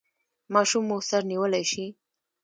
ماشوم مو سر نیولی شي؟